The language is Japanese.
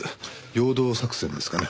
陽動作戦ですかね？